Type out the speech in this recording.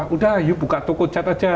udah yuk buka toko cat aja